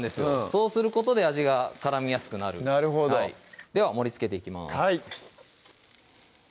そうすることで味が絡みやすくなるなるほどでは盛りつけていきます